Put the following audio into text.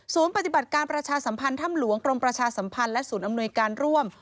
ปฏิบัติการประชาสัมพันธ์ถ้ำหลวงกรมประชาสัมพันธ์และศูนย์อำนวยการร่วม